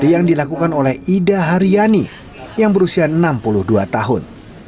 yang berusia enam puluh dua tahun